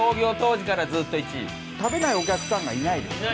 食べないお客さんがいないです。